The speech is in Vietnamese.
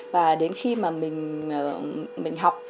và đến khi mà mình học